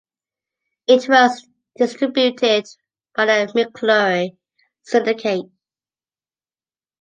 It was distributed by the McClure Syndicate.